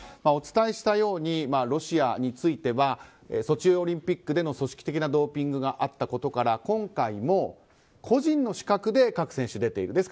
お伝えしたようにロシアについてはソチオリンピックでの組織的なドーピングがあったことから今回も個人の資格で各選手出ている。